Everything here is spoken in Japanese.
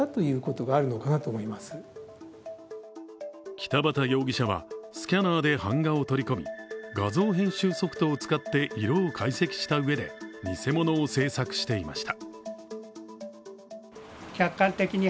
北畑容疑者は、スキャナーで版画を取り込み画像編集ソフトを使って色を解析したうえで偽物を制作していました。